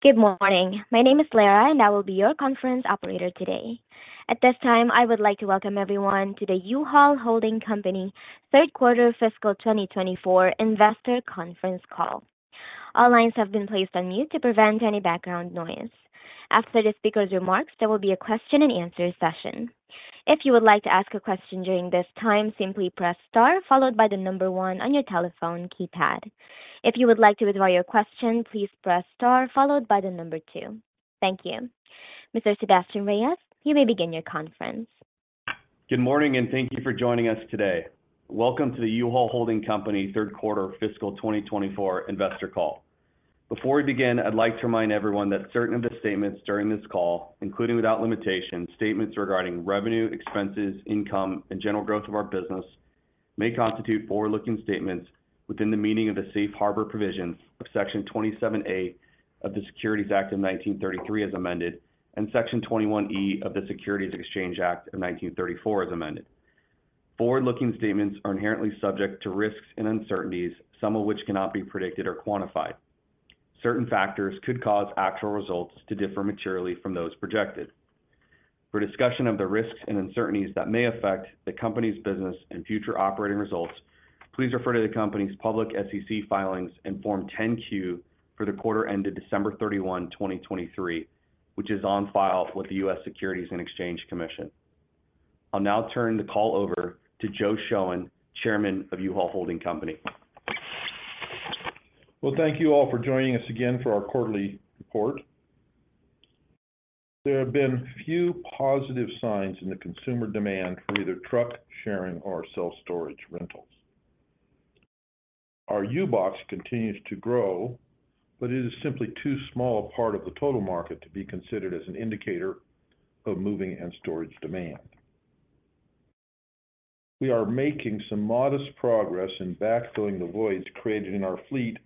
Good morning. My name is Lara, and I will be your conference operator today. At this time, I would like to welcome everyone to the U-Haul Holding Company third quarter fiscal 2024 investor conference call. All lines have been placed on mute to prevent any background noise. After the speaker's remarks, there will be a question and answer session. If you would like to ask a question during this time, simply press star followed by the number one on your telephone keypad. If you would like to withdraw your question, please press star followed by the number two. Thank you. Mr. Sebastien Reyes, you may begin your conference. Good morning, and thank you for joining us today. Welcome to the U-Haul Holding Company third quarter fiscal 2024 investor call. Before we begin, I'd like to remind everyone that certain of the statements during this call, including without limitation, statements regarding revenue, expenses, income, and general growth of our business, may constitute forward-looking statements within the meaning of the safe harbor provisions of Section 27A of the Securities Act of 1933, as amended, and Section 21E of the Securities Exchange Act of 1934, as amended. Forward-looking statements are inherently subject to risks and uncertainties, some of which cannot be predicted or quantified. Certain factors could cause actual results to differ materially from those projected. For discussion of the risks and uncertainties that may affect the company's business and future operating results, please refer to the company's public SEC filings and Form 10-Q for the quarter ended December 31, 2023, which is on file with the U.S. Securities and Exchange Commission. I'll now turn the call over to Joe Shoen, Chairman of U-Haul Holding Company. Well, thank you all for joining us again for our quarterly report. There have been few positive signs in the consumer demand for either truck sharing or self-storage rentals. Our U-Box continues to grow, but it is simply too small a part of the total market to be considered as an indicator of moving and storage demand. We are making some modest progress in backfilling the voids created in our fleet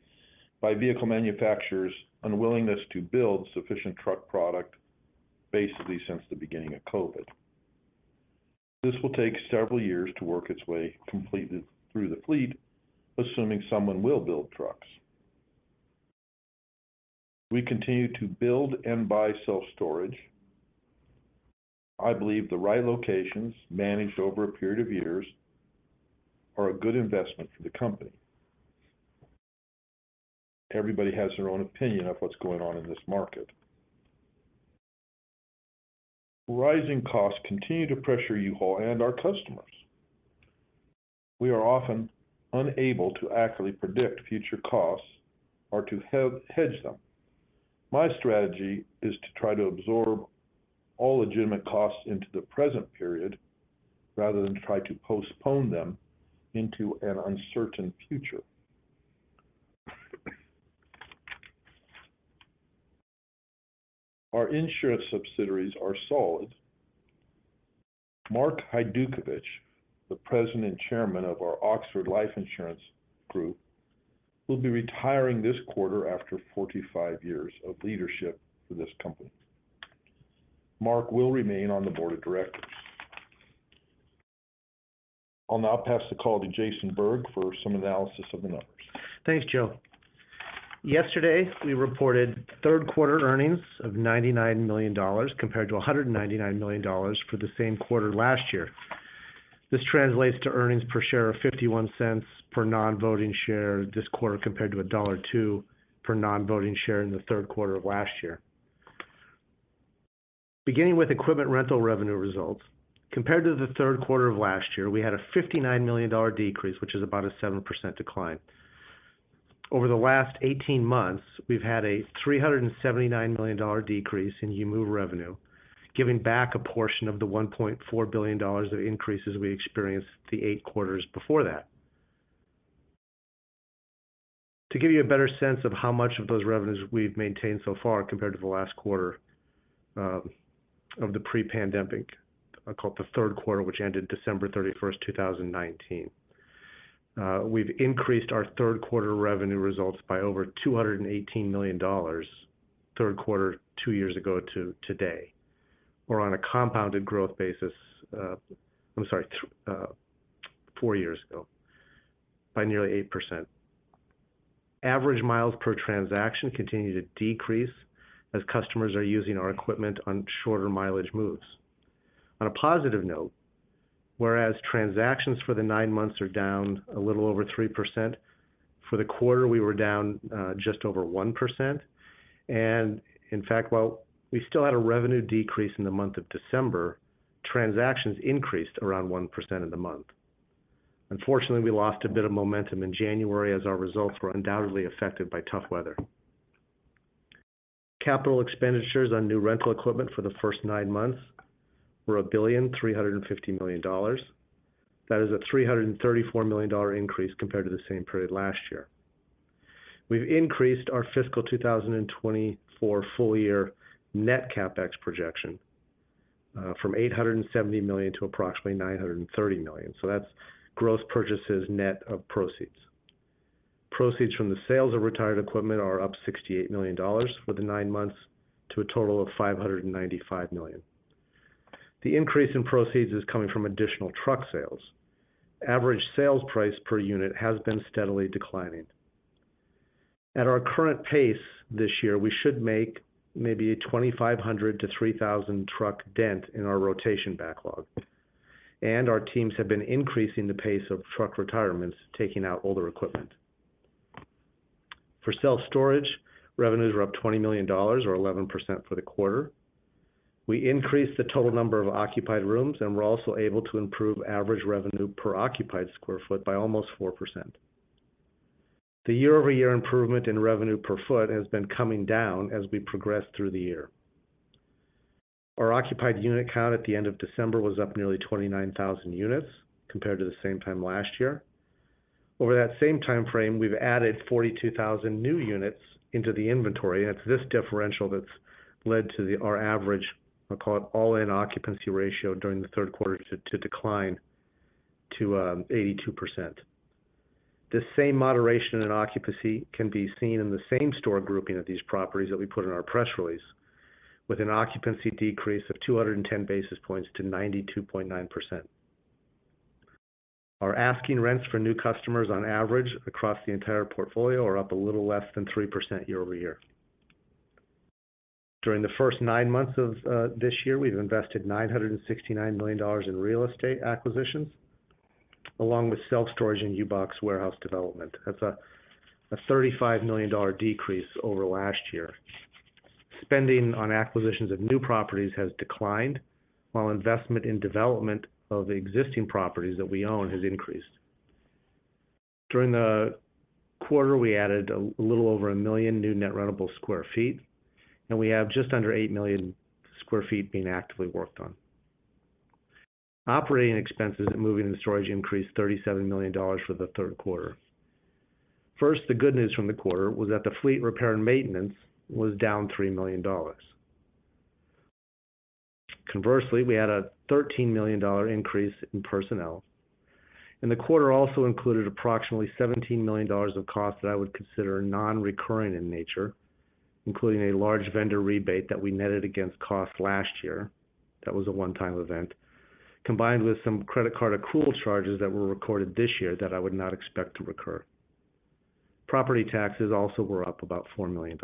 by vehicle manufacturers' unwillingness to build sufficient truck product basically since the beginning of COVID. This will take several years to work its way completely through the fleet, assuming someone will build trucks. We continue to build and buy self-storage. I believe the right locations, managed over a period of years, are a good investment for the company. Everybody has their own opinion of what's going on in this market. Rising costs continue to pressure U-Haul and our customers. We are often unable to accurately predict future costs or to hedge them. My strategy is to try to absorb all legitimate costs into the present period rather than try to postpone them into an uncertain future. Our insurance subsidiaries are solid. Mark Haydukovich, the President and Chairman of our Oxford Life Insurance Company, will be retiring this quarter after 45 years of leadership for this company. Mark will remain on the board of directors. I'll now pass the call to Jason Berg for some analysis of the numbers. Thanks, Joe. Yesterday, we reported third quarter earnings of $99 million, compared to $199 million for the same quarter last year. This translates to earnings per share of $0.51 per non-voting share this quarter, compared to $1.02 per non-voting share in the third quarter of last year. Beginning with equipment rental revenue results, compared to the third quarter of last year, we had a $59 million decrease, which is about a 7% decline. Over the last 18 months, we've had a $379 million decrease in U-Move revenue, giving back a portion of the $1.4 billion of increases we experienced the eight quarters before that. To give you a better sense of how much of those revenues we've maintained so far compared to the last quarter of the pre-pandemic, I call it the third quarter, which ended December 31, 2019. We've increased our third quarter revenue results by over $218 million, third quarter, two years ago to today, or on a compounded growth basis, I'm sorry, four years ago, by nearly 8%. Average miles per transaction continue to decrease as customers are using our equipment on shorter mileage moves. On a positive note, whereas transactions for the nine months are down a little over 3%, for the quarter, we were down just over 1%. And in fact, while we still had a revenue decrease in the month of December, transactions increased around 1% in the month. Unfortunately, we lost a bit of momentum in January as our results were undoubtedly affected by tough weather. Capital expenditures on new rental equipment for the first nine months were $1.35 billion. That is a $334 million dollar increase compared to the same period last year. We've increased our fiscal 2024 full year net CapEx projection from $870 million to approximately $930 million. So that's gross purchases net of proceeds. Proceeds from the sales of retired equipment are up $68 million dollars for the nine months, to a total of $595 million. The increase in proceeds is coming from additional truck sales. Average sales price per unit has been steadily declining. At our current pace this year, we should make maybe a 2,500-3,000 truck dent in our rotation backlog, and our teams have been increasing the pace of truck retirements, taking out older equipment. For self-storage, revenues were up $20 million or 11% for the quarter. We increased the total number of occupied rooms, and we're also able to improve average revenue per occupied sq ft by almost 4%. The year-over-year improvement in revenue per sq ft has been coming down as we progress through the year. Our occupied unit count at the end of December was up nearly 29,000 units compared to the same time last year. Over that same time frame, we've added 42,000 new units into the inventory, and it's this differential that's led to the, our average, we'll call it all-in occupancy ratio, during the third quarter to decline to 82%. This same moderation in occupancy can be seen in the same-store grouping of these properties that we put in our press release, with an occupancy decrease of 210 basis points to 92.9%. Our asking rents for new customers on average across the entire portfolio are up a little less than 3% year-over-year. During the first nine months of this year, we've invested $969 million in real estate acquisitions, along with self-storage and U-Box warehouse development. That's a $35 million decrease over last year. Spending on acquisitions of new properties has declined, while investment in development of existing properties that we own has increased. During the quarter, we added a little over 1 million new net rentable sq ft, and we have just under 8 million sq ft being actively worked on. Operating expenses at Moving and Storage increased $37 million for the third quarter. First, the good news from the quarter was that the fleet repair and maintenance was down $3 million. Conversely, we had a $13 million increase in personnel, and the quarter also included approximately $17 million of costs that I would consider non-recurring in nature, including a large vendor rebate that we netted against costs last year. That was a one-time event, combined with some credit card accrual charges that were recorded this year that I would not expect to recur. Property taxes also were up about $4 million.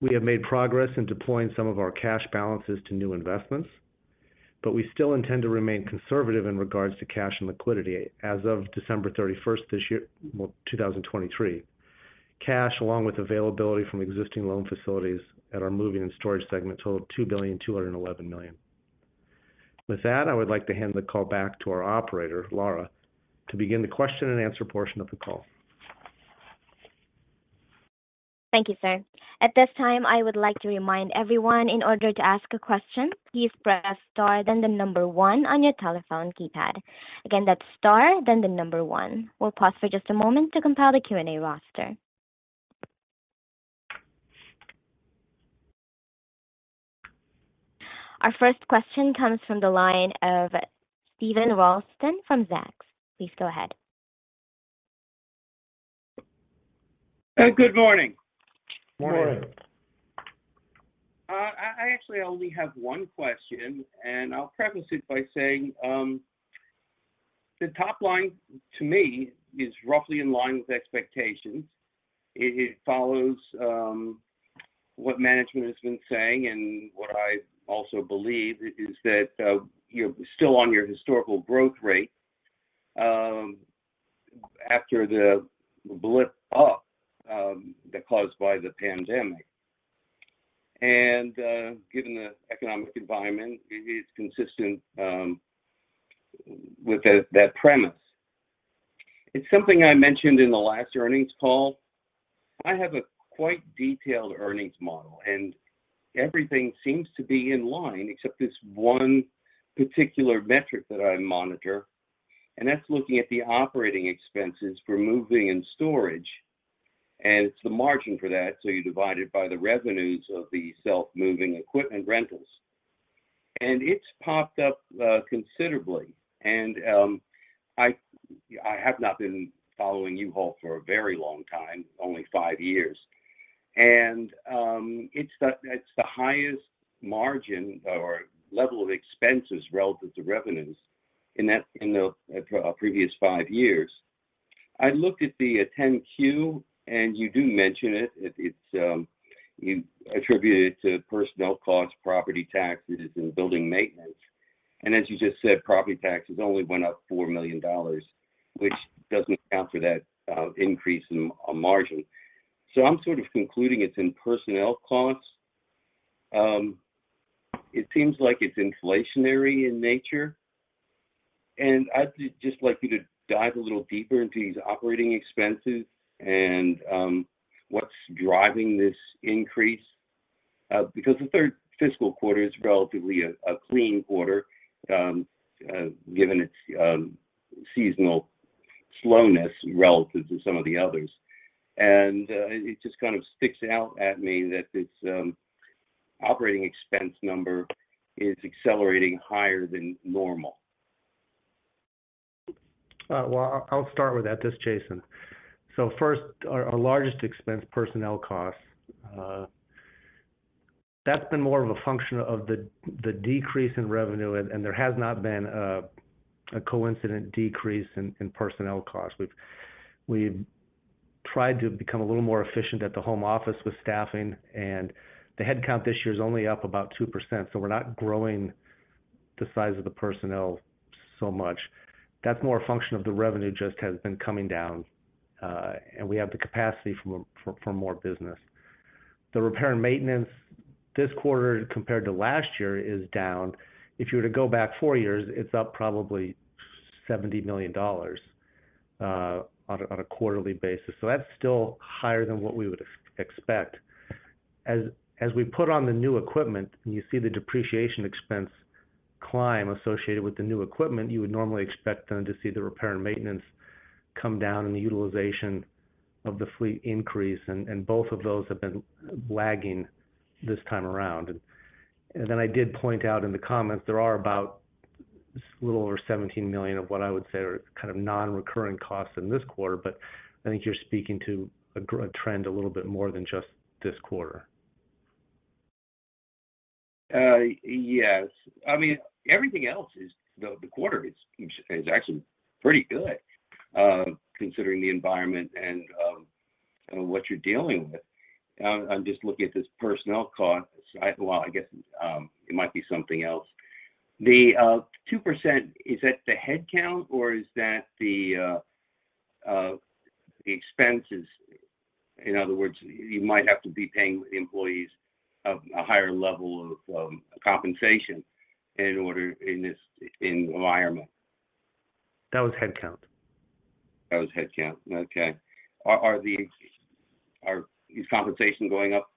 We have made progress in deploying some of our cash balances to new investments, but we still intend to remain conservative in regards to cash and liquidity. As of December 31, 2023, well, cash, along with availability from existing loan facilities at our Moving and Storage segment, totaled $2.211 billion. With that, I would like to hand the call back to our operator, Lara, to begin the question and answer portion of the call. Thank you, sir. At this time, I would like to remind everyone, in order to ask a question, please press Star, then the number one on your telephone keypad. Again, that's Star, then the number one. We'll pause for just a moment to compile the Q&A roster. Our first question comes from the line of Steven Ralston from Zacks. Please go ahead. Good morning. Morning. Morning. I actually only have one question, and I'll preface it by saying, the top line, to me, is roughly in line with expectations. It follows, what management has been saying, and what I also believe is that, you're still on your historical growth rate, after the blip up, that caused by the pandemic. Given the economic environment, it is consistent, with that premise. It's something I mentioned in the last earnings call. I have a quite detailed earnings model, and everything seems to be in line, except this one particular metric that I monitor, and that's looking at the operating expenses for moving and storage, and it's the margin for that, so you divide it by the revenues of the self-moving equipment rentals. It's popped up considerably, and I have not been following U-Haul for a very long time, only five years. And it's the highest margin or level of expenses relative to revenues in that, in the previous fiive years. I looked at the 10-Q, and you do mention it. You attribute it to personnel costs, property taxes, and building maintenance. And as you just said, property taxes only went up $4 million, which doesn't account for that increase in margin. So I'm sort of concluding it's in personnel costs. It seems like it's inflationary in nature, and I'd just like you to dive a little deeper into these operating expenses and what's driving this increase? Because the third fiscal quarter is relatively a clean quarter, given its seasonal slowness relative to some of the others. And it just kind of sticks out at me that this operating expense number is accelerating higher than normal.... Well, I'll, I'll start with that. This is Jason. So first, our, our largest expense, personnel costs, that's been more of a function of the, the decrease in revenue, and, and there has not been a, a coincident decrease in, in personnel costs. We've—we've tried to become a little more efficient at the home office with staffing, and the headcount this year is only up about 2%, so we're not growing the size of the personnel so much. That's more a function of the revenue just has been coming down, and we have the capacity for, for, for more business. The repair and maintenance this quarter compared to last year is down. If you were to go back four years, it's up probably $70 million, on a, on a quarterly basis, so that's still higher than what we would expect. As we put on the new equipment, and you see the depreciation expense climb associated with the new equipment, you would normally expect then to see the repair and maintenance come down, and the utilization of the fleet increase, and both of those have been lagging this time around. Then I did point out in the comments, there are about a little over $17 million of what I would say are kind of non-recurring costs in this quarter, but I think you're speaking to a greater trend a little bit more than just this quarter. Yes. I mean, everything else is the quarter is actually pretty good, considering the environment and what you're dealing with. I'm just looking at this personnel cost. Well, I guess it might be something else. The 2%, is that the headcount or is that the expenses? In other words, you might have to be paying the employees a higher level of compensation in order- in this environment. That was headcount. That was headcount. Okay. Are these compensations going up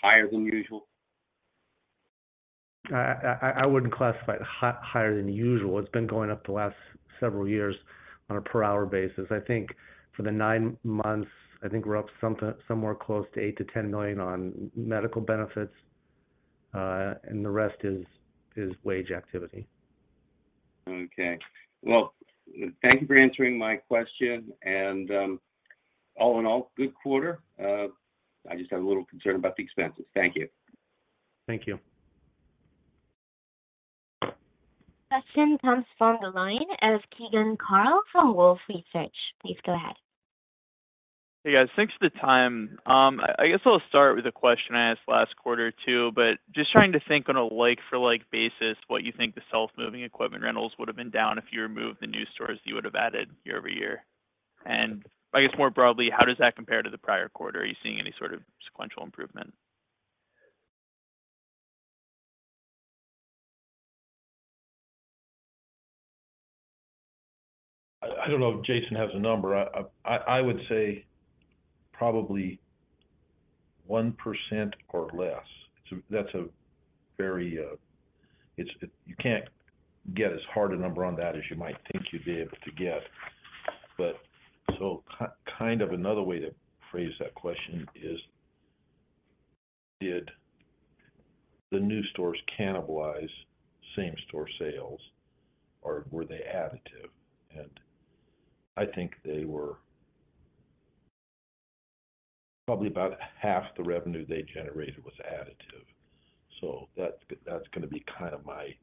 higher than usual? I wouldn't classify it higher than usual. It's been going up the last several years on a per hour basis. I think for the nine months, I think we're up somewhere close to $8 million-$10 million on medical benefits, and the rest is wage activity. Okay. Well, thank you for answering my question, and, all in all, good quarter. I just have a little concern about the expenses. Thank you. Thank you. Question comes from the line as Keegan Carl from Wolfe Research. Please go ahead. Hey, guys. Thanks for the time. I guess I'll start with a question I asked last quarter, too, but just trying to think on a like-for-like basis, what you think the self-moving equipment rentals would have been down if you removed the new stores you would have added year-over-year? And I guess, more broadly, how does that compare to the prior quarter? Are you seeing any sort of sequential improvement? I don't know if Jason has a number. I would say probably 1% or less. So that's a very... It's. You can't get as hard a number on that as you might think you'd be able to get. But so kind of another way to phrase that question is, did the new stores cannibalize same-store sales, or were they additive? And I think they were probably about half the revenue they generated was additive, so that's that's gonna be kind of my...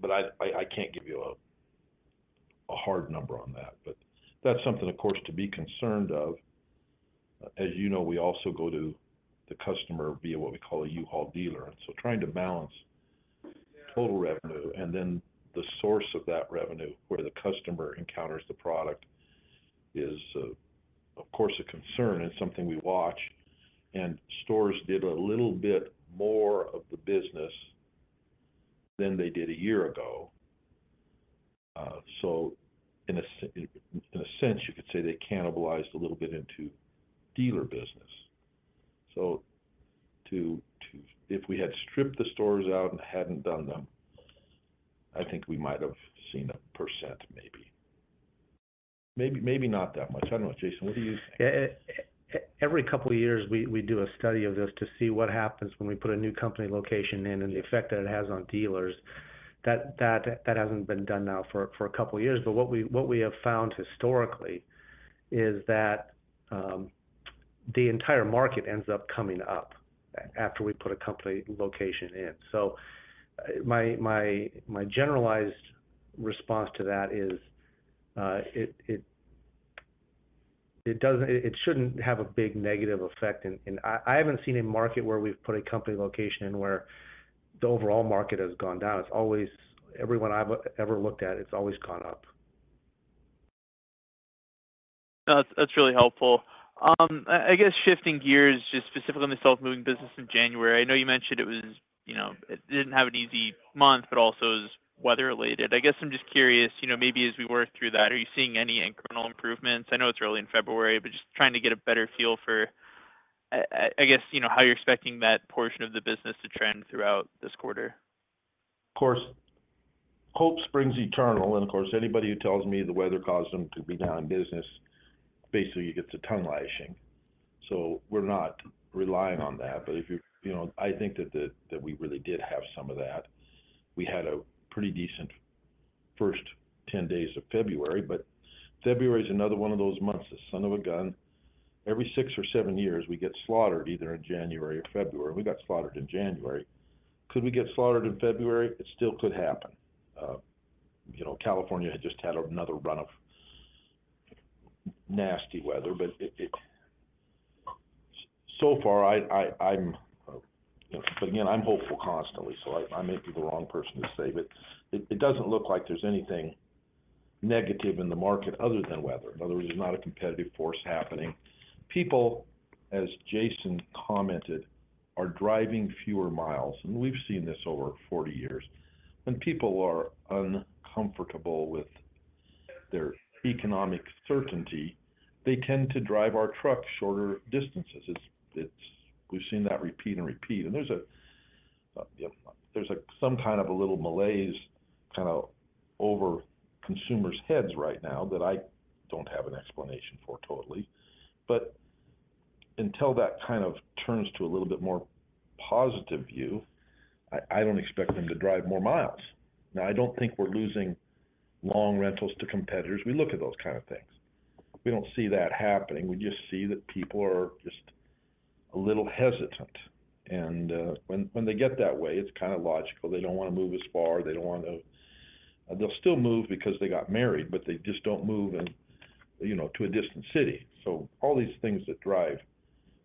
But I can't give you a hard number on that, but that's something, of course, to be concerned of. As you know, we also go to the customer via what we call a U-Haul dealer. And so trying to balance total revenue and then the source of that revenue, where the customer encounters the product, is, of course, a concern and something we watch. And stores did a little bit more of the business than they did a year ago, so in a sense, you could say they cannibalized a little bit into dealer business. So if we had stripped the stores out and hadn't done them, I think we might have seen a percent maybe. Maybe, maybe not that much. I don't know, Jason, what do you think? Every couple of years, we do a study of this to see what happens when we put a new company location in and the effect that it has on dealers. That hasn't been done now for a couple of years, but what we have found historically is that the entire market ends up coming up after we put a company location in. So my generalized response to that is, it doesn't. It shouldn't have a big negative effect, and I haven't seen a market where we've put a company location in, where the overall market has gone down. It's always... Everyone I've ever looked at, it's always gone up. That's really helpful. I guess shifting gears, just specifically on the self moving business in January, I know you mentioned it was, you know, it didn't have an easy month, but also it was weather related. I guess I'm just curious, you know, maybe as we work through that, are you seeing any incremental improvements? I know it's early in February, but just trying to get a better feel for, I guess, you know, how you're expecting that portion of the business to trend throughout this quarter. Of course, hope springs eternal, and of course, anybody who tells me the weather caused them to be down in business. Basically, it gets a tongue lashing. So we're not relying on that. But if you, you know, I think that we really did have some of that. We had a pretty decent first 10 days of February, but February is another one of those months, the son of a gun. Every six or seven years, we get slaughtered either in January or February. We got slaughtered in January. Could we get slaughtered in February? It still could happen. You know, California had just had another run of nasty weather, but it—so far I, I'm, but again, I'm hopeful constantly, so I may be the wrong person to say. But it doesn't look like there's anything negative in the market other than weather. In other words, there's not a competitive force happening. People, as Jason commented, are driving fewer miles, and we've seen this over 40 years. When people are uncomfortable with their economic certainty, they tend to drive our trucks shorter distances. It's. We've seen that repeat and repeat. And there's a, there's a, some kind of a little malaise kind of over consumers' heads right now, that I don't have an explanation for totally. But until that kind of turns to a little bit more positive view, I don't expect them to drive more miles. Now, I don't think we're losing long rentals to competitors. We look at those kind of things. We don't see that happening. We just see that people are just a little hesitant, and when they get that way, it's kind of logical. They don't want to move as far, they don't want to... They'll still move because they got married, but they just don't move in, you know, to a distant city. So all these things that drive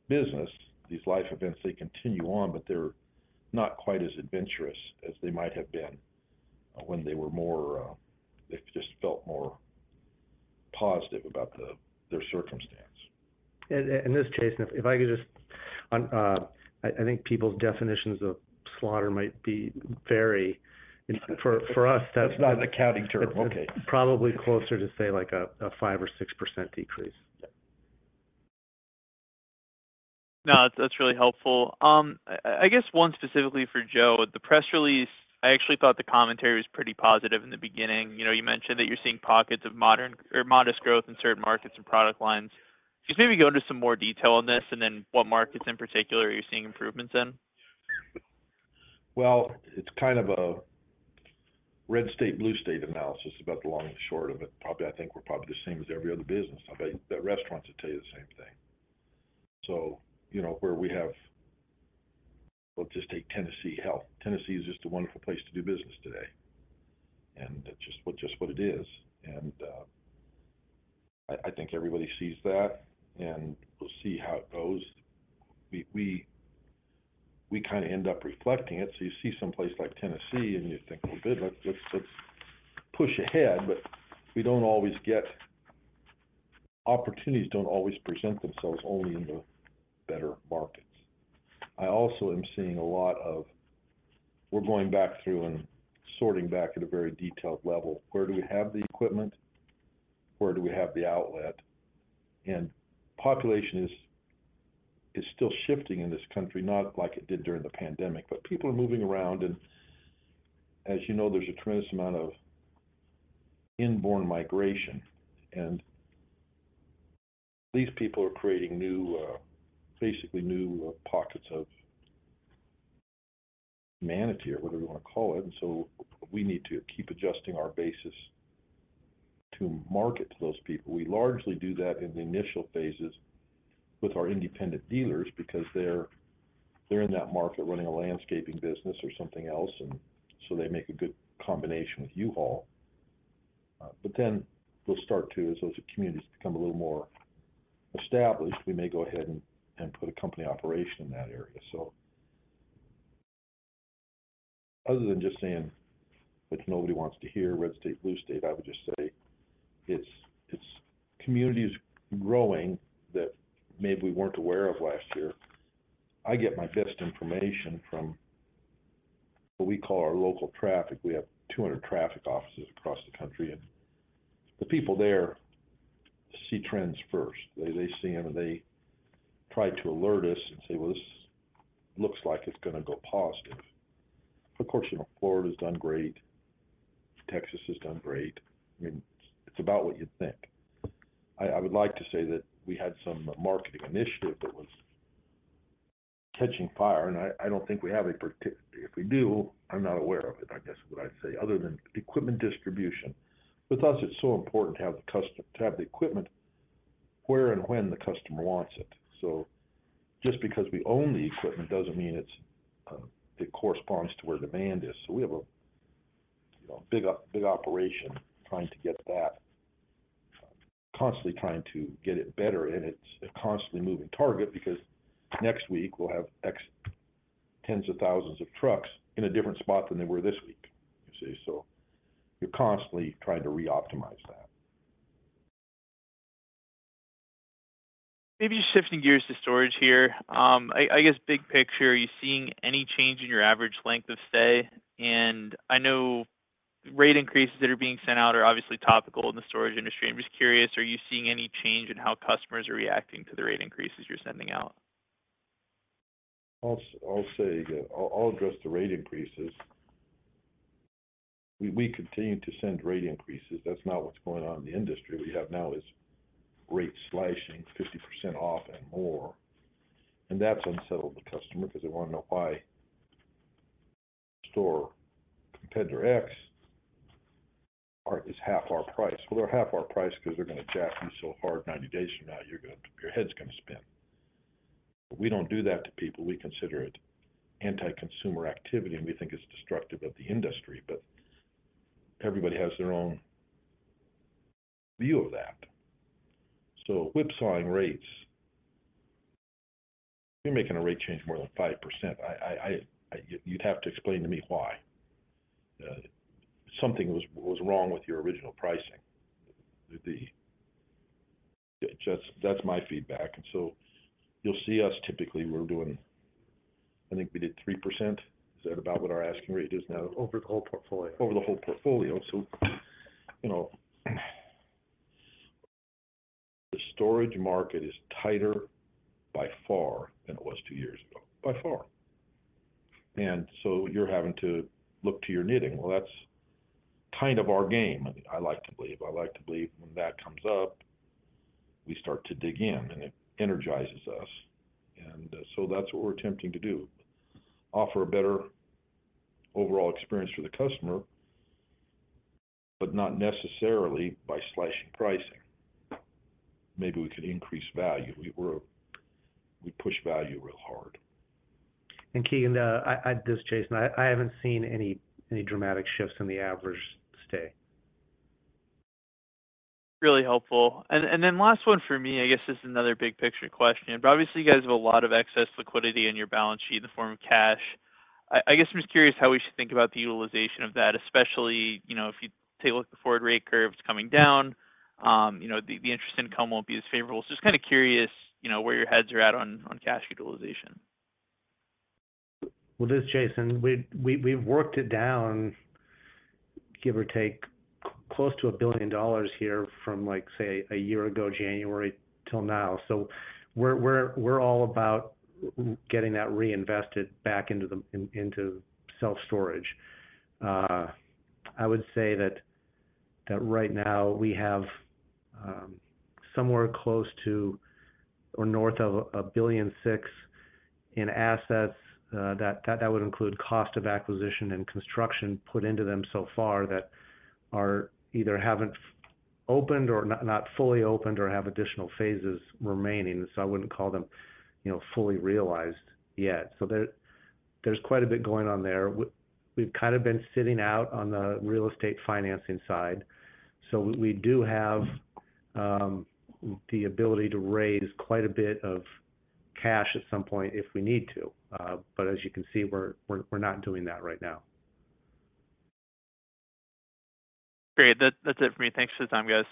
business, these life events, they continue on, but they're not quite as adventurous as they might have been when they were more, they just felt more positive about the, their circumstance. And this, Jason, if I could just, I think people's definitions of slaughter might vary. And for us, that's- It's not an accounting term. Okay. Probably closer to, say, like a 5%-6% decrease. Yeah. No, that's really helpful. I guess one specifically for Joe, the press release, I actually thought the commentary was pretty positive in the beginning. You know, you mentioned that you're seeing pockets of modern or modest growth in certain markets and product lines. Just maybe go into some more detail on this, and then what markets in particular are you seeing improvements in? Well, it's kind of a red state, blue state analysis about the long and short of it. Probably, I think we're probably the same as every other business. I bet that restaurants will tell you the same thing. So, you know, where we have... Well, just take Tennessee Hell. Tennessee is just a wonderful place to do business today, and that's just what, just what it is. And, I think everybody sees that, and we'll see how it goes. We kinda end up reflecting it. So you see some place like Tennessee, and you think, "Well, good, let's, let's, let's push ahead." But we don't always get-- opportunities don't always present themselves only in the better markets. I also am seeing a lot of... We're going back through and sorting back at a very detailed level. Where do we have the equipment? Where do we have the outlet? And population is still shifting in this country, not like it did during the pandemic, but people are moving around. And as you know, there's a tremendous amount of inbound migration, and these people are creating new, basically, new pockets of humanity or whatever you wanna call it. And so we need to keep adjusting our basis to market to those people. We largely do that in the initial phases with our independent dealers because they're in that market running a landscaping business or something else, and so they make a good combination with U-Haul. But then we'll start to, as those communities become a little more established, we may go ahead and put a company operation in that area. So other than just saying, which nobody wants to hear, red state, blue state, I would just say it's, it's communities growing that maybe we weren't aware of last year. I get my best information from what we call our local traffic. We have 200 traffic offices across the country, and the people there see trends first. They, they see them, and they try to alert us and say, "Well, this looks like it's gonna go positive." Of course, you know, Florida has done great, Texas has done great. I mean, it's about what you'd think. I, I would like to say that we had some marketing initiative that was catching fire, and I, I don't think we have a particular... If we do, I'm not aware of it, I guess is what I'd say, other than equipment distribution. With us, it's so important to have the equipment where and when the customer wants it. So just because we own the equipment doesn't mean it corresponds to where demand is. So we have a, you know, big operation trying to get that, constantly trying to get it better, and it's a constantly moving target because next week we'll have X tens of thousands of trucks in a different spot than they were this week, you see? So you're constantly trying to reoptimize that. Maybe just shifting gears to storage here. I guess big picture, are you seeing any change in your average length of stay? And I know rate increases that are being sent out are obviously topical in the storage industry. I'm just curious, are you seeing any change in how customers are reacting to the rate increases you're sending out? I'll say I'll address the rate increases. We continue to send rate increases. That's not what's going on in the industry. What we have now is rate slashing 50% off and more, and that's unsettled the customer because they wanna know why store competitor X are, is half our price. Well, they're half our price because they're gonna jack you so hard 90 days from now, you're gonna, your head's gonna spin. But we don't do that to people. We consider it anti-consumer activity, and we think it's destructive of the industry, but everybody has their own view of that. So whipsawing rates, if you're making a rate change more than 5%, you'd have to explain to me why. Something was wrong with your original pricing. That's my feedback, and so you'll see us typically. We're doing... I think we did 3%. Is that about what our asking rate is now? Over the whole portfolio. Over the whole portfolio. So, you know, the storage market is tighter by far than it was two years ago. By far. And so you're having to look to your knitting. Well, that's kind of our game. I, I like to believe, I like to believe when that comes up, we start to dig in, and it energizes us. And so that's what we're attempting to do: offer a better overall experience for the customer, but not necessarily by slashing pricing. Maybe we could increase value. We, we're, we push value real hard. Keegan, this is Jason. I haven't seen any dramatic shifts in the average stay. Really helpful. Then last one for me, I guess this is another big picture question, but obviously, you guys have a lot of excess liquidity on your balance sheet in the form of cash. I guess I'm just curious how we should think about the utilization of that, especially, you know, if you take a look at the forward rate curve, it's coming down. You know, the interest income won't be as favorable. So just kind of curious, you know, where your heads are at on cash utilization. Well, this is Jason. We've worked it down, give or take, close to $1 billion here from, like, say, a year ago, January till now. So we're all about getting that reinvested back into the, in, into self-storage. I would say that right now we have somewhere close to or north of $1.6 billion in assets that would include cost of acquisition and construction put into them so far, that are either haven't opened or not fully opened or have additional phases remaining. So I wouldn't call them, you know, fully realized yet. So there's quite a bit going on there. We've kind of been sitting out on the real estate financing side, so we do have the ability to raise quite a bit of cash at some point if we need to. But as you can see, we're not doing that right now. Great. That, that's it for me. Thanks for the time, guys.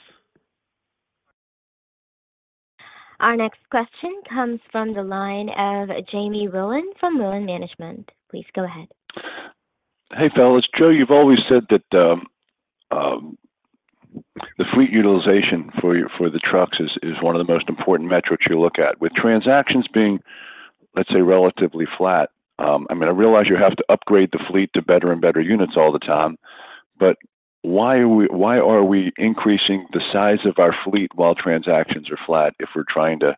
Our next question comes from the line of Jamie Wilen from Wilen Management. Please go ahead. Hey, fellas. Joe, you've always said that the fleet utilization for your, for the trucks is one of the most important metrics you look at. With transactions being, let's say, relatively flat... I mean, I realize you have to upgrade the fleet to better and better units all the time, but why are we, why are we increasing the size of our fleet while transactions are flat if we're trying to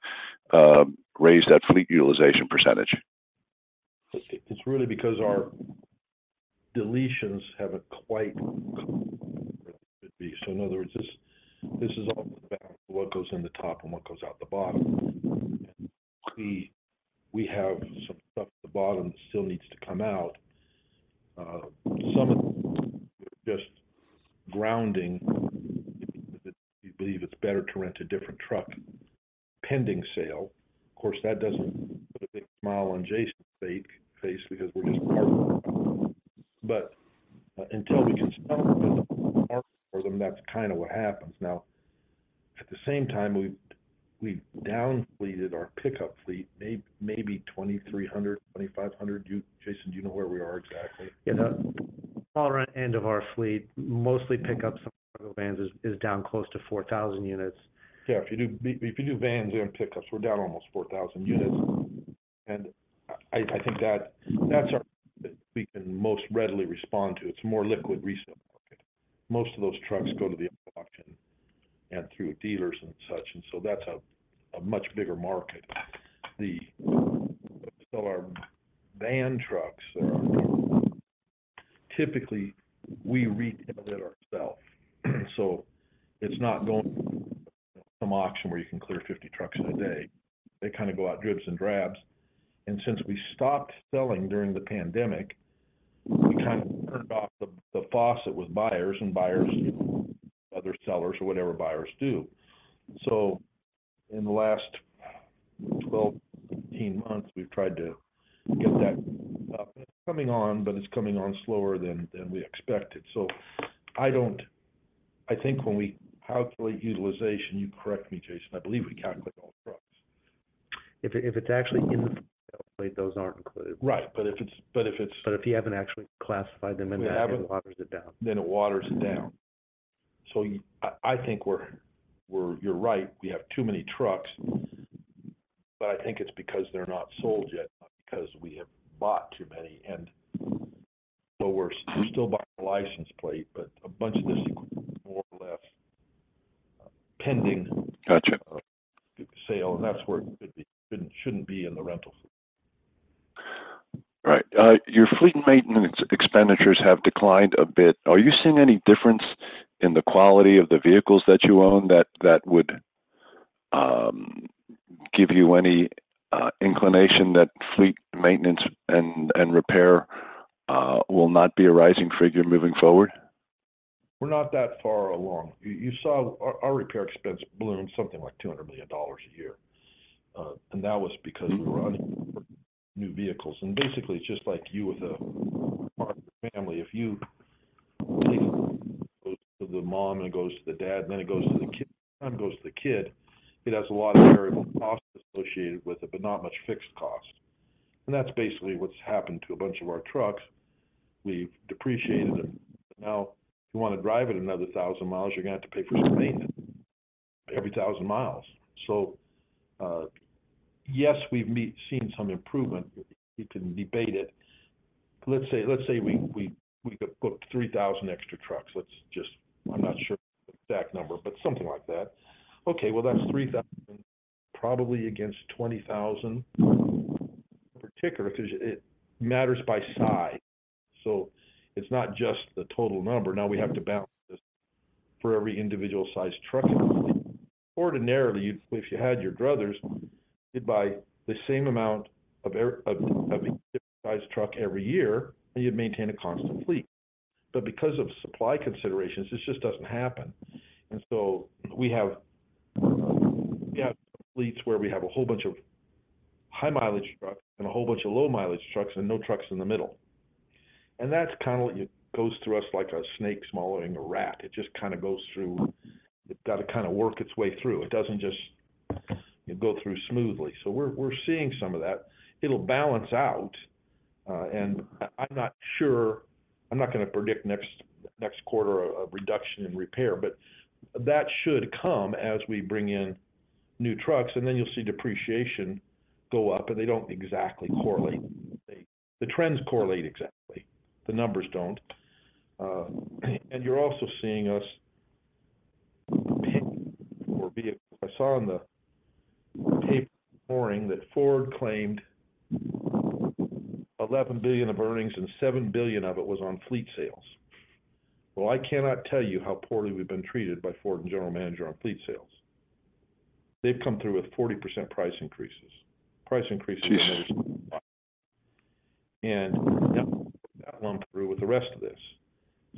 raise that fleet utilization percentage? It's, it's really because our deletions haven't quite where they should be. So in other words, this, this is all about what goes in the top and what goes out the bottom. And we, we have some stuff at the bottom that still needs to come out. Some of them, just grounding, we believe it's better to rent a different truck. Pending sale, of course, that doesn't put a big smile on Jason's face because we're just... But until we can sell them, that's kind of what happens. Now, at the same time, we've, we've down fleeted our pickup fleet, maybe 2,300, 2,500. You, Jason, do you know where we are exactly? Yeah. The smaller end of our fleet, mostly pickups, some of the vans, is down close to 4,000 units. Yeah, if you do vans and pickups, we're down almost 4,000 units. And I think that that's our... we can most readily respond to. It's a more liquid resale market. Most of those trucks go to the auction and through dealers and such, and so that's a much bigger market. The... So our van trucks are... Typically, we retail it ourself, so it's not going to some auction where you can clear 50 trucks in a day. They kind of go out dribs and drabs. And since we stopped selling during the pandemic, we kind of turned off the faucet with buyers, and buyers, other sellers or whatever buyers do. So in the last 12, 18 months, we've tried to get that coming on, but it's coming on slower than we expected. So I don't, I think when we calculate utilization, you correct me, Jason. I believe we calculate all trucks. If it's actually in the, those aren't included. Right. But if it's- But if you haven't actually classified them in the- We haven't... it waters it down. Then it waters it down. So, I think we're—you're right, we have too many trucks... but I think it's because they're not sold yet, not because we have bought too many. And well, we're still buying a license plate, but a bunch of this equipment is more or less pending- Gotcha. sale, and that's where it could be. Shouldn't be in the rental. Right. Your fleet maintenance expenditures have declined a bit. Are you seeing any difference in the quality of the vehicles that you own, that would give you any inclination that fleet maintenance and repair will not be a rising figure moving forward? We're not that far along. You saw our repair expense bloom something like $200 million a year. And that was because we were running new vehicles. And basically, just like you with a car and a family, goes to the mom, and it goes to the dad, and then it goes to the kid, it has a lot of variable costs associated with it, but not much fixed cost. And that's basically what's happened to a bunch of our trucks. We've depreciated them, but now if you wanna drive it another 1,000 miles, you're gonna have to pay for the maintenance every 1,000 miles. So, yes, we've seen some improvement. We can debate it. Let's say we put 3,000 extra trucks. Let's just... I'm not sure of the exact number, but something like that. Okay, well, that's 3,000, probably against 20,000. In particular, 'cause it matters by size, so it's not just the total number. Now we have to balance this for every individual size truck. Ordinarily, if you had your druthers, you'd buy the same amount of each different size truck every year, and you'd maintain a constant fleet. But because of supply considerations, this just doesn't happen. And so we have fleets where we have a whole bunch of high-mileage trucks and a whole bunch of low-mileage trucks and no trucks in the middle. And that's kinda what it goes through us like a snake swallowing a rat. It just kinda goes through. It's gotta kinda work its way through. It doesn't just, you go through smoothly. So we're, we're seeing some of that. It'll balance out, and I, I'm not sure... I'm not gonna predict next, next quarter of, of reduction in repair, but that should come as we bring in new trucks, and then you'll see depreciation go up, but they don't exactly correlate. The trends correlate exactly, the numbers don't. And you're also seeing us pay more vehicles. I saw on the paper this morning that Ford claimed $11 billion of earnings, and $7 billion of it was on fleet sales. Well, I cannot tell you how poorly we've been treated by Ford and General Motors on fleet sales. They've come through with 40% price increases. Price increases- Geez! -and that one through with the rest of this.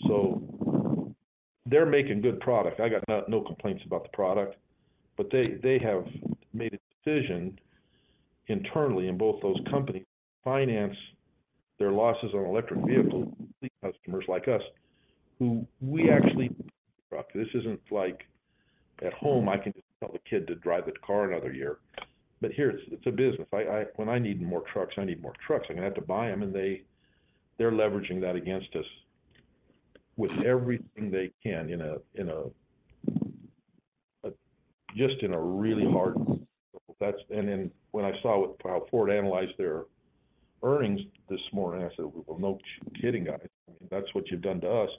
So they're making good product. I got no, no complaints about the product, but they, they have made a decision internally in both those companies to finance their losses on electric vehicles, fleet customers like us, who we actually... This isn't like at home, I can tell the kid to drive the car another year. But here, it's a business. I, when I need more trucks, I need more trucks. I'm gonna have to buy them, and they- they're leveraging that against us with everything they can in a, in a, just in a really hard way. That's. And then when I saw with how Ford analyzed their earnings this morning, I said, "Well, no kidding, guys. I mean, that's what you've done to us."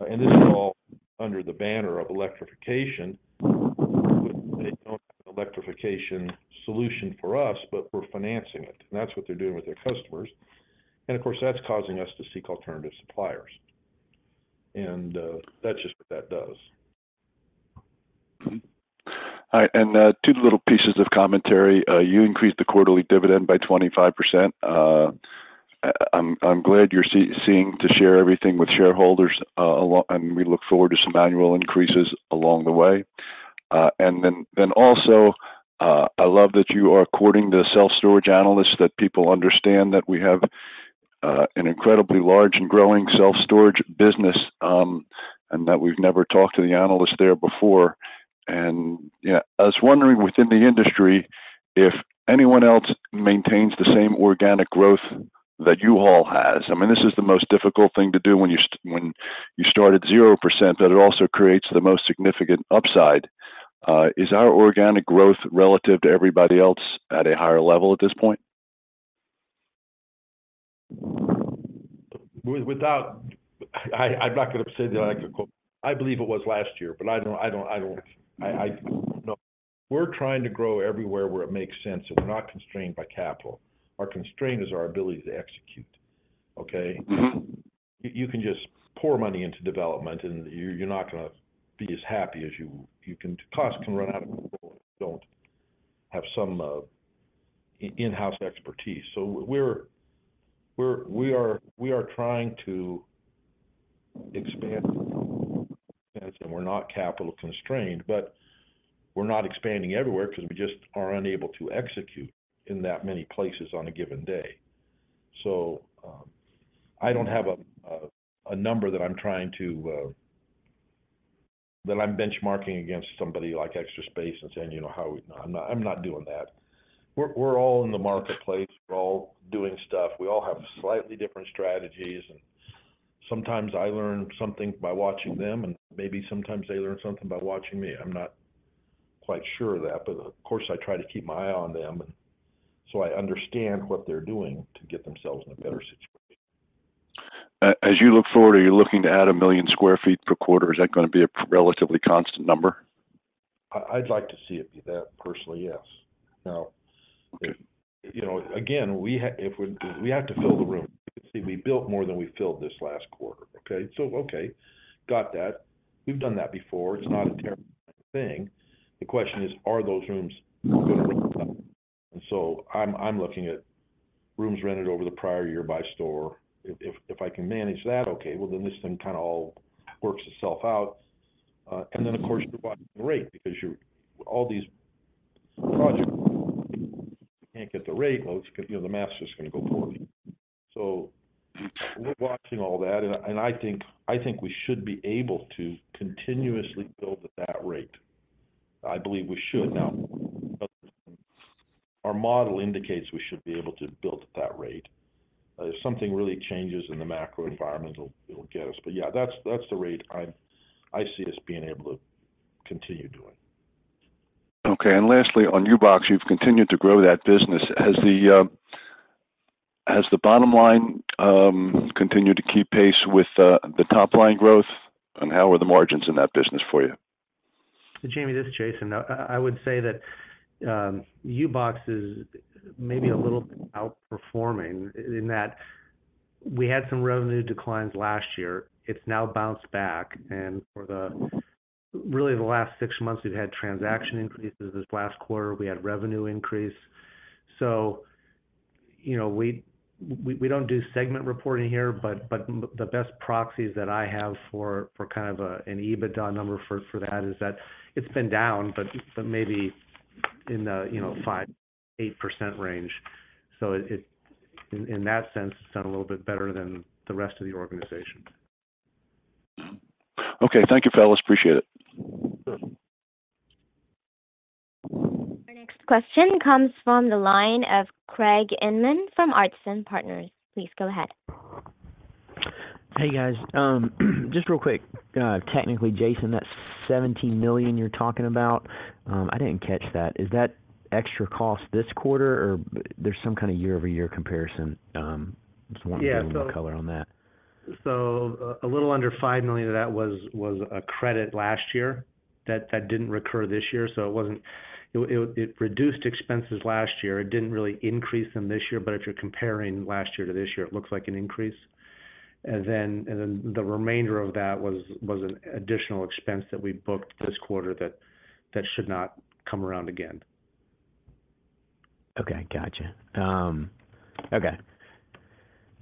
And this is all under the banner of electrification, which they don't have an electrification solution for us, but we're financing it, and that's what they're doing with their customers. And, that's just what that does. Two little pieces of commentary. You increased the quarterly dividend by 25%. I'm glad you're seeing to share everything with shareholders, and we look forward to some annual increases along the way. I love that you are quoting the self-storage analyst, that people understand that we have an incredibly large and growing self-storage business, and that we've never talked to the analyst there before. And, yeah, I was wondering, within the industry, if anyone else maintains the same organic growth that U-Haul has. I mean, this is the most difficult thing to do when you start at 0%, but it also creates the most significant upside. Is our organic growth relative to everybody else at a higher level at this point? Without... I'm not gonna say that I can quote. I believe it was last year, but I don't... no. We're trying to grow everywhere where it makes sense, and we're not constrained by capital. Our constraint is our ability to execute, okay? Mm-hmm. You can just pour money into development, and you're not gonna be as happy as you can. Cost can run out of control if you don't have some in-house expertise. So we're trying to expand, and we're not capital constrained, but we're not expanding everywhere because we just are unable to execute in that many places on a given day. So I don't have a number that I'm trying to benchmark against somebody like Extra Space and saying, you know, how. I'm not doing that. We're all in the marketplace. We're all doing stuff. We all have slightly different strategies, and sometimes I learn something by watching them, and maybe sometimes they learn something by watching me. I'm not quite sure of that, but, of course, I try to keep my eye on them, and so I understand what they're doing to get themselves in a better situation. As you look forward, are you looking to add 1 million sq ft per quarter? Is that gonna be a relatively constant number? I'd like to see it be that, personally, yes. Now- Okay... you know, again, we have to fill the room. See, we built more than we filled this last quarter, okay? So, okay, got that. We've done that before. It's not a terrible thing. The question is, are those rooms gonna rent up? And so I'm looking at rooms rented over the prior year by store. If I can manage that, okay, well, then this thing kinda all works itself out. And then, of course, you're watching the rate, because all these projects, you can't get the rate, well, it's gonna, you know, the master's gonna go poorly. So we're watching all that, and I think we should be able to continuously build at that rate. I believe we should. Now, our model indicates we should be able to build at that rate. If something really changes in the macro environment, it'll get us. But yeah, that's the rate I see us being able to continue doing. Okay, and lastly, on U-Box, you've continued to grow that business. Has the bottom line continued to keep pace with the top line growth? And how are the margins in that business for you? Jamie, this is Jason. I would say that U-Box is maybe a little outperforming in that we had some revenue declines last year. It's now bounced back, and for really the last six months, we've had transaction increases. This last quarter, we had revenue increase. So, you know, we don't do segment reporting here, but the best proxies that I have for kind of an EBITDA number for that is that it's been down, but maybe in the, you know, 5%-8% range. So it, in that sense, it's done a little bit better than the rest of the organization. Okay. Thank you, fellas. Appreciate it. Sure. Our next question comes from the line of Craig Inman from Artisan Partners. Please go ahead. Hey, guys. Just real quick, technically, Jason, that $17 million you're talking about, I didn't catch that. Is that extra cost this quarter, or there's some kind of year-over-year comparison? Just wanting- Yeah - A little color on that. So a little under $5 million of that was a credit last year that didn't recur this year, so it wasn't... It reduced expenses last year. It didn't really increase them this year, but if you're comparing last year to this year, it looks like an increase. And then the remainder of that was an additional expense that we booked this quarter that should not come around again. Okay, gotcha. Okay.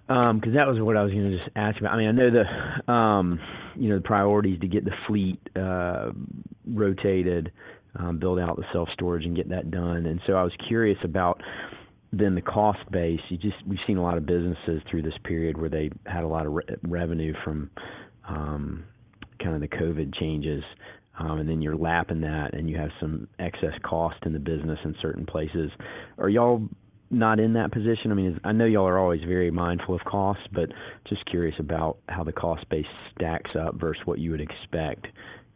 'Cause that was what I was gonna just ask about. I mean, I know the, you know, the priority is to get the fleet rotated, building out the self-storage and getting that done. And so I was curious about then the cost base. You just- we've seen a lot of businesses through this period where they had a lot of revenue from, kinda the COVID changes. And then you're lapping that, and you have some excess cost in the business in certain places. Are y'all not in that position? I mean, I know y'all are always very mindful of cost, but just curious about how the cost base stacks up versus what you would expect,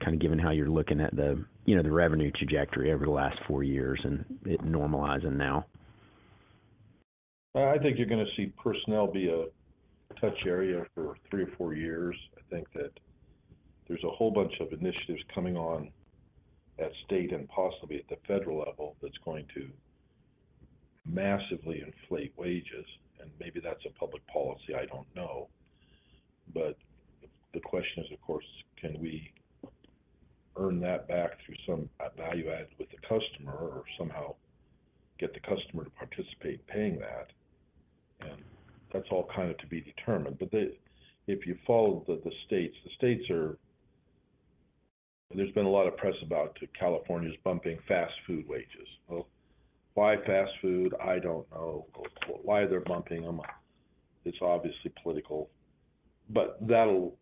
kinda given how you're looking at the, you know, the revenue trajectory over the last four years, and it normalizing now. I think you're gonna see personnel be a touch area for three or four years. I think that there's a whole bunch of initiatives coming on at state and possibly at the federal level, that's going to massively inflate wages, and maybe that's a public policy, I don't know. But the question is, of course, can we earn that back through some value add with the customer or somehow get the customer to participate paying that? And that's all kind of to be determined. But if you follow the states, the states are. There's been a lot of press about California's bumping fast food wages. Well, why fast food? I don't know why they're bumping them. It's obviously political, but that'll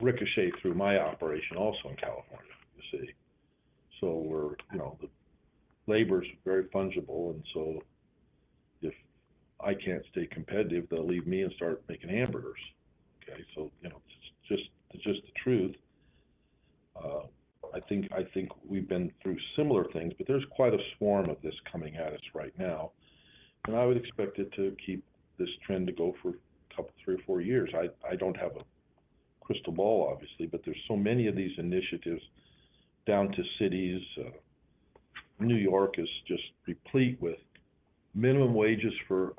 ricochet through my operation also in California, you see? So we're, you know, the labor is very fungible, and so if I can't stay competitive, they'll leave me and start making hamburgers, okay? So, you know, it's just, it's just the truth. I think, I think we've been through similar things, but there's quite a swarm of this coming at us right now, and I would expect it to keep this trend to go for a couple, three or four years. I, I don't have a crystal ball, obviously, but there's so many of these initiatives down to cities. New York is just replete with minimum wages for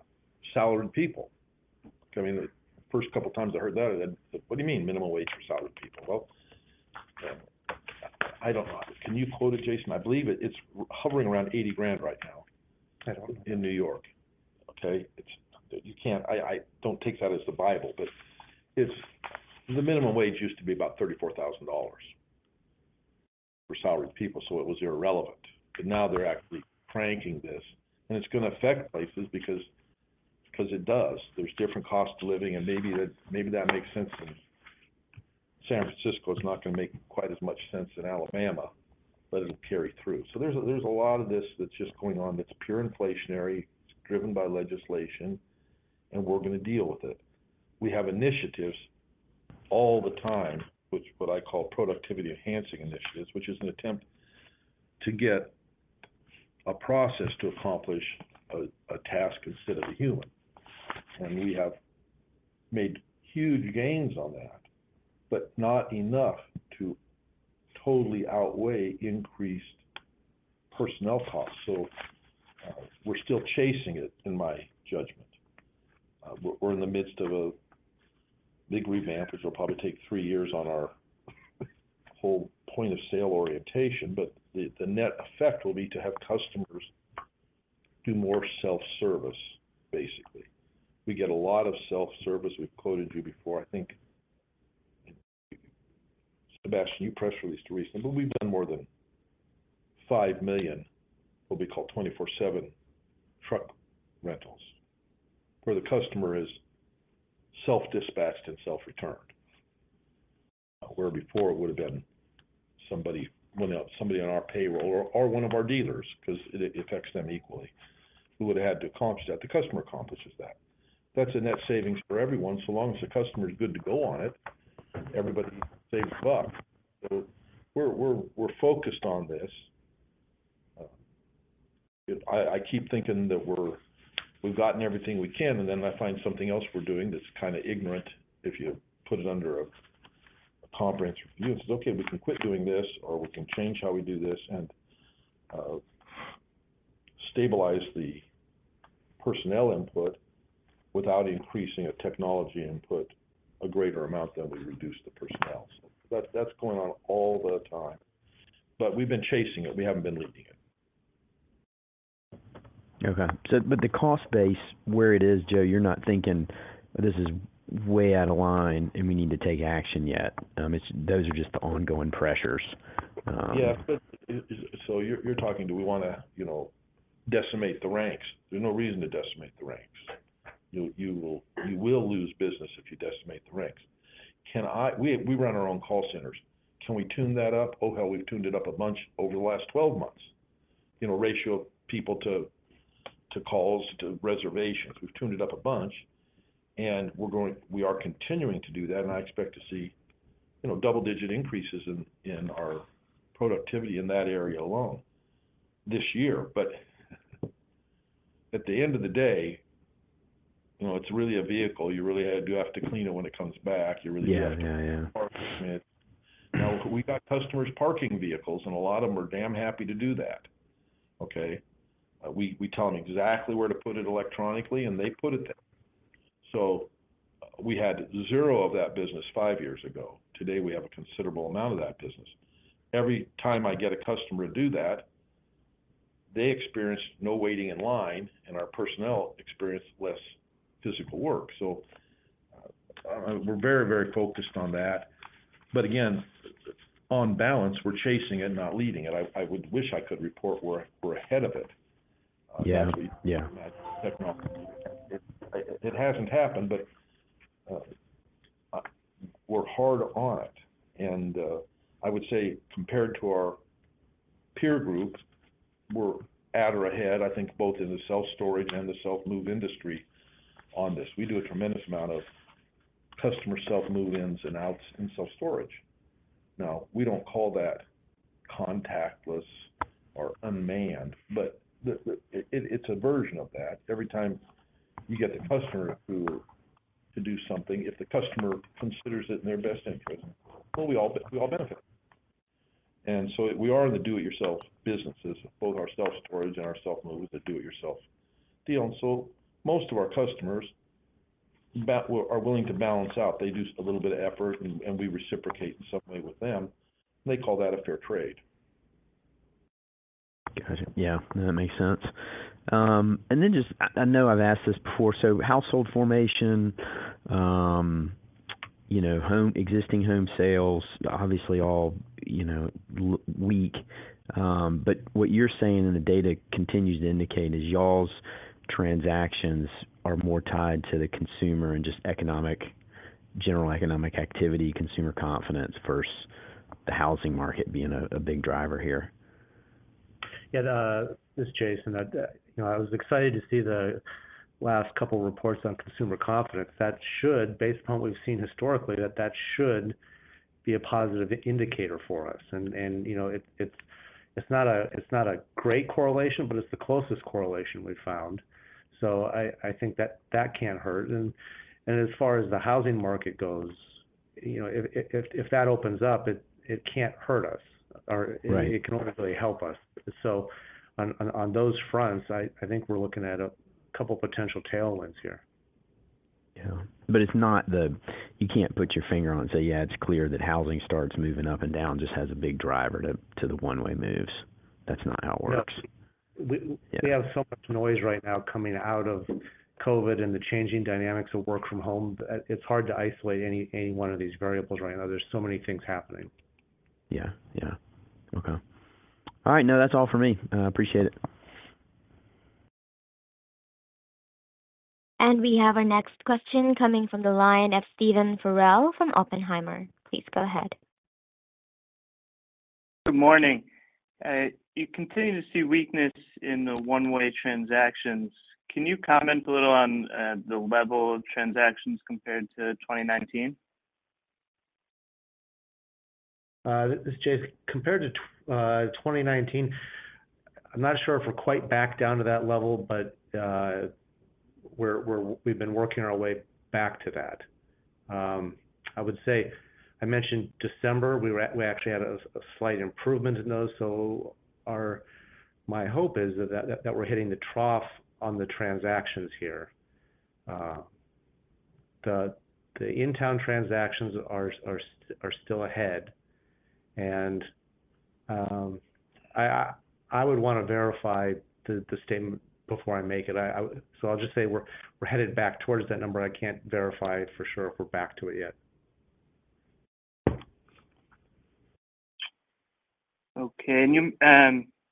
salaried people. I mean, the first couple of times I heard that, I said, "What do you mean minimum wage for salaried people?" Well, I don't know. Can you quote it, Jason? I believe it, it's hovering around $80,000 right now- I don't- in New York. Okay? It's... You can't... I don't take that as the Bible, but it's, the minimum wage used to be about $34,000 for salaried people, so it was irrelevant. But now they're actually cranking this, and it's gonna affect places because it does. There's different costs to living, and maybe that makes sense in-... San Francisco is not going to make quite as much sense in Alabama, but it'll carry through. So there's a lot of this that's just going on that's pure inflationary, it's driven by legislation, and we're going to deal with it. We have initiatives all the time, which what I call productivity-enhancing initiatives, which is an attempt to get a process to accomplish a task instead of a human. We have made huge gains on that, but not enough to totally outweigh increased personnel costs. So, we're still chasing it, in my judgment. We're in the midst of a big revamp, which will probably take three years on our whole point-of-sale orientation, but the net effect will be to have customers do more self-service, basically. We get a lot of self-service. We've quoted you before, I think, Sebastien. You press released recently, but we've done more than 5 million, what we call 24/7 truck rentals, where the customer is self-dispatched and self-returned. Where before it would have been somebody running out, somebody on our payroll or one of our dealers, 'cause it affects them equally, who would have had to accomplish that. The customer accomplishes that. That's a net savings for everyone. So long as the customer is good to go on it, everybody saves a buck. So we're focused on this. I keep thinking that we've gotten everything we can, and then I find something else we're doing that's kind of ignorant if you put it under a comprehensive review. And say, "Okay, we can quit doing this, or we can change how we do this and stabilize the personnel input without increasing a technology input a greater amount than we reduce the personnel." So that's going on all the time, but we've been chasing it, we haven't been leading it. Okay. So but the cost base, where it is, Joe, you're not thinking this is way out of line, and we need to take action yet? Those are just the ongoing pressures. Yeah, but so you, you're talking, do we want to, you know, decimate the ranks? There's no reason to decimate the ranks. You, you will, you will lose business if you decimate the ranks. We run our own call centers. Can we tune that up? Oh, hell, we've tuned it up a bunch over the last 12 months. You know, ratio of people to, to calls, to reservations, we've tuned it up a bunch, and we are continuing to do that, and I expect to see, you know, double-digit increases in, in our productivity in that area alone this year. But at the end of the day, you know, it's really a vehicle. You really do have to clean it when it comes back. Yeah. You really have to- Yeah, yeah... park it. Now, we got customers parking vehicles, and a lot of them are damn happy to do that, okay? We tell them exactly where to put it electronically, and they put it there. So we had zero of that business five years ago. Today, we have a considerable amount of that business. Every time I get a customer to do that, they experience no waiting in line, and our personnel experience less physical work. So we're very, very focused on that. But again, on balance, we're chasing it, not leading it. I would wish I could report we're ahead of it. Yeah. Yeah. That technology, it hasn't happened, but we're hard on it. And I would say compared to our peer groups, we're at or ahead, I think, both in the self-storage and the self-move industry on this. We do a tremendous amount of customer self-move-ins and outs in self-storage. Now, we don't call that contactless or unmanned, but the it's a version of that. Every time you get the customer to do something, if the customer considers it in their best interest, well, we all benefit. And so we are in the do-it-yourself businesses, both our self-storage and our self-move, is a do-it-yourself deal. So most of our customers are willing to balance out. They do a little bit of effort, and we reciprocate in some way with them, and they call that a fair trade. Gotcha. Yeah, that makes sense. And then just, I know I've asked this before, so household formation, you know, existing home sales, obviously all, you know, weak. But what you're saying and the data continues to indicate is y'all's transactions are more tied to the consumer and just economic, general economic activity, consumer confidence versus the housing market being a big driver here. Yeah, this is Jason. You know, I was excited to see the last couple of reports on consumer confidence. That should, based on what we've seen historically, be a positive indicator for us. And, you know, it's not a great correlation, but it's the closest correlation we've found. So I think that can't hurt. And as far as the housing market goes, you know, if that opens up, it can't hurt us, or- Right... it can only help us. So on those fronts, I think we're looking at a couple potential tailwinds here. Yeah. But it's not, you can't put your finger on and say, "Yeah, it's clear that housing starts moving up and down, just has a big driver to, to the one-way moves." That's not how it works. No. Yeah. We have so much noise right now coming out of COVID and the changing dynamics of work from home, that it's hard to isolate any one of these variables right now. There's so many things happening. Yeah. Yeah. Okay. All right, no, that's all for me. I appreciate it.... And we have our next question coming from the line of Stephen Farrell from Oppenheimer. Please go ahead. Good morning. You continue to see weakness in the one-way transactions. Can you comment a little on the level of transactions compared to 2019? This is Jason. Compared to 2019, I'm not sure if we're quite back down to that level, but we've been working our way back to that. I would say I mentioned December, we actually had a slight improvement in those, so my hope is that we're hitting the trough on the transactions here. The In-Town transactions are still ahead, and I would want to verify the statement before I make it. So I'll just say we're headed back towards that number. I can't verify for sure if we're back to it yet. Okay.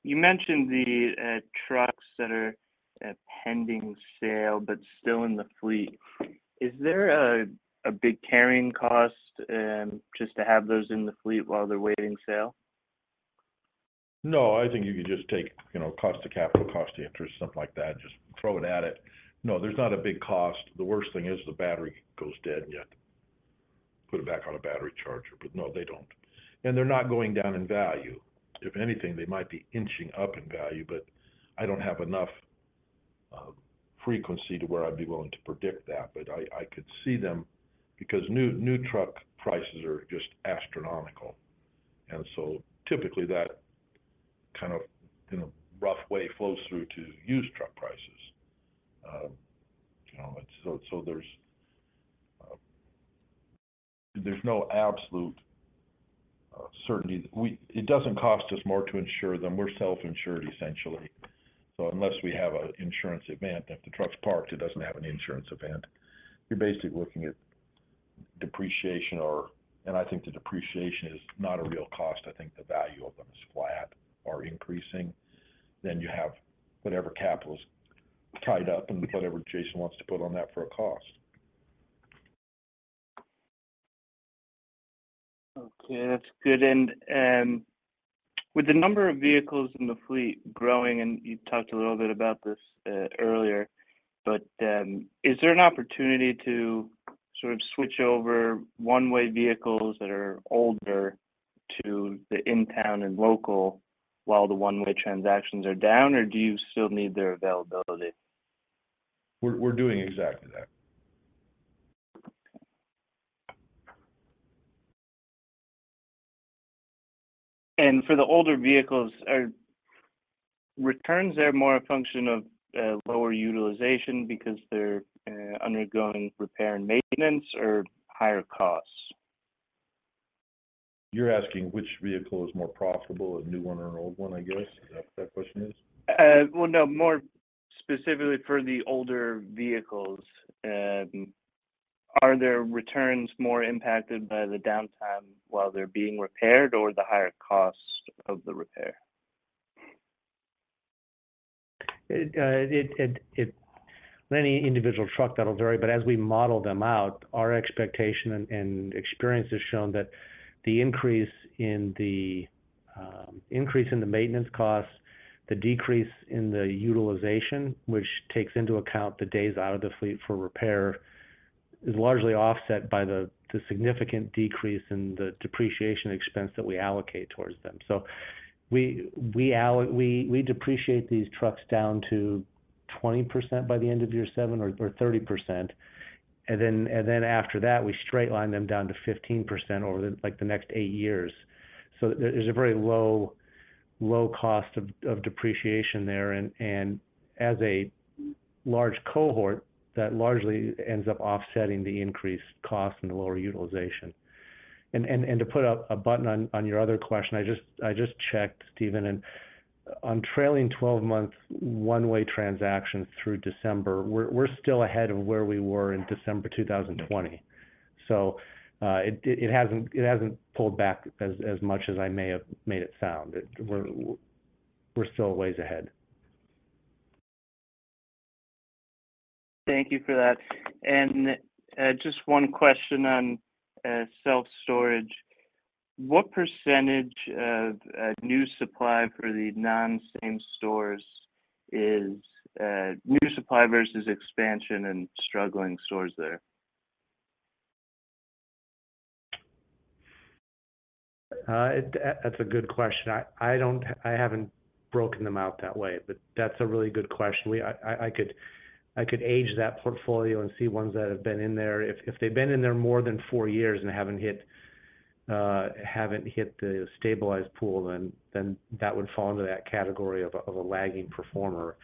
You mentioned the trucks that are pending sale but still in the fleet. Is there a big carrying cost just to have those in the fleet while they're waiting sale? No, I think you can just take, you know, cost of capital, cost of interest, something like that, just throw it at it. No, there's not a big cost. The worst thing is the battery goes dead, and you have to put it back on a battery charger, but no, they don't. And they're not going down in value. If anything, they might be inching up in value, but I don't have enough frequency to where I'd be willing to predict that. But I could see them because new, new truck prices are just astronomical. And so typically, that kind of, in a rough way, flows through to used truck prices. You know, so there's no absolute certainty. It doesn't cost us more to insure them. We're self-insured, essentially. Unless we have an insurance event, if the truck's parked, it doesn't have an insurance event. You're basically looking at depreciation or... I think the depreciation is not a real cost. I think the value of them is flat or increasing. You have whatever capital is tied up and whatever Jason wants to put on that for a cost. Okay, that's good. And with the number of vehicles in the fleet growing, and you talked a little bit about this earlier, but is there an opportunity to sort of switch over one-way vehicles that are older to the In-Town and local while the one-way transactions are down, or do you still need their availability? We're doing exactly that. For the older vehicles, are returns there more a function of lower utilization because they're undergoing repair and maintenance or higher costs? You're asking which vehicle is more profitable, a new one or an old one, I guess? Is that what that question is? Well, no, more specifically for the older vehicles, are their returns more impacted by the downtime while they're being repaired or the higher cost of the repair? Many individual truck, that'll vary, but as we model them out, our expectation and experience has shown that the increase in the increase in the maintenance costs, the decrease in the utilization, which takes into account the days out of the fleet for repair, is largely offset by the significant decrease in the depreciation expense that we allocate towards them. So we depreciate these trucks down to 20% by the end of year seven or 30%, and then after that, we straight line them down to 15% over the, like, the next eight years. So there's a very low cost of depreciation there, and as a large cohort, that largely ends up offsetting the increased cost and the lower utilization. And to put a button on your other question, I just checked, Steven, and on trailing twelve months, one-way transactions through December, we're still ahead of where we were in December 2020. So, it hasn't pulled back as much as I may have made it sound. It— we're still a ways ahead. Thank you for that. Just one question on self-storage. What percentage of new supply for the non-same stores is new supply versus expansion and struggling stores there? That's a good question. I haven't broken them out that way, but that's a really good question. I could age that portfolio and see ones that have been in there. If they've been in there more than four years and haven't hit the stabilized pool, then that would fall into that category of a lagging performer.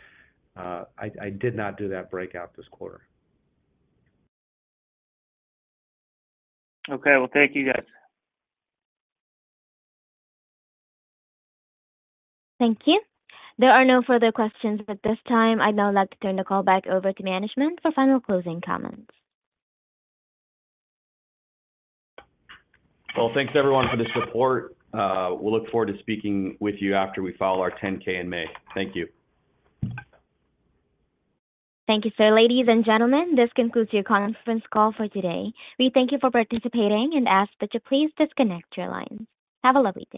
I did not do that breakout this quarter. Okay. Well, thank you, guys. Thank you. There are no further questions at this time. I'd now like to turn the call back over to management for final closing comments. Well, thanks, everyone, for the support. We'll look forward to speaking with you after we file our 10-K in May. Thank you. Thank you, sir. Ladies and gentlemen, this concludes your conference call for today. We thank you for participating and ask that you please disconnect your lines. Have a lovely day.